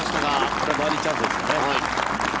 ただバーディーチャンスですよね。